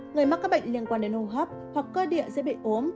người mắc các bệnh liên quan đến hô hấp hoặc cơ địa dễ bị ốm